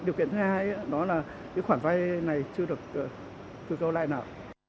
điều kiện thứ hai đó là cái khoảng vay này chưa được cưu cầu lại nào